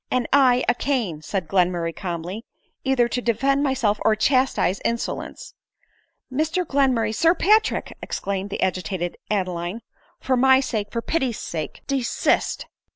" And I a cane," said Glenmurray calmly, " either to defend myself or chastise insolence." " Mr Glenmurray ! t Sir Patrick !" exclaimed the agi tated Adeline ;" for niy sake, for pity's sake, desist."